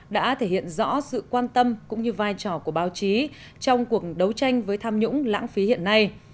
đã thể hiện rõ sự quan tâm cũng như vai trò của báo chí trong cuộc đấu tranh với tham nhũng lãng phí hiện nay